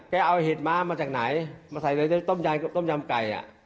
เอาเห็ดม้ามาจากไหนมาใส่ในต้มยำต้มยำไก่อ่ะ